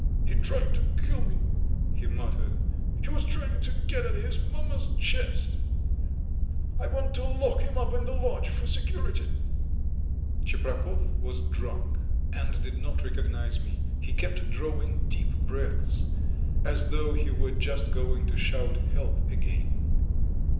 "He tried to kill me," he muttered. "He was trying to get at his mamma's chest. ... I want to lock him up in the lodge for security." Tcheprakov was drunk and did not recognize me; he kept drawing deep breaths, as though he were just going to shout "help" again.